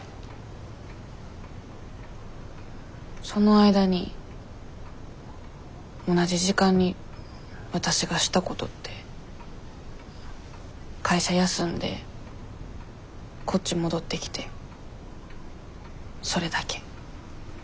その間に同じ時間にわたしがしたことって会社休んでこっち戻ってきてそれだけ。